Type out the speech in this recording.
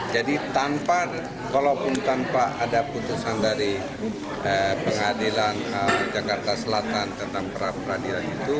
jadi tanpa walaupun tanpa ada putusan dari pengadilan jakarta selatan tentang peradilan itu